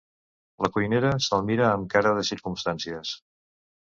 La cuinera se'l mira amb cara de circumstàncies.